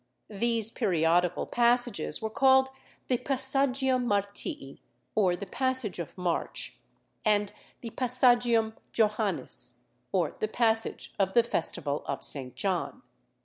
These periodical passages were called the passagium Martii, or the passage of March, and the passagium Johannis, or the passage of the festival of St. John.